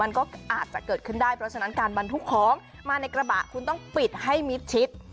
มันก็อาจจะเกิดขึ้นได้เพราะฉะนั้นการบรรทุกของมาในกระบะคุณต้องปิดให้มิดชิด